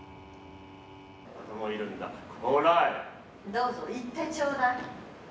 ・どうぞ言ってちょうだい。